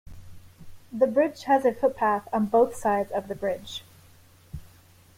The bridge has a footpath on both sides of the bridge.